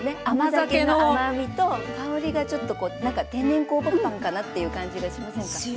甘酒の甘みと香りがちょっとなんか天然酵母パンかなっていう感じがしませんか？